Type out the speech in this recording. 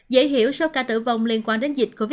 dễ hiểu số ca tử vong liên quan đến dịch covid